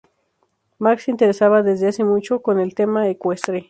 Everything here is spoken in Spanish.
Marc se interesaba desde hacía mucho con el tema ecuestre.